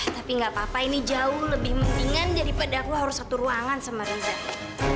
tapi gak apa apa ini jauh lebih mendingan daripada aku harus satu ruangan sama reza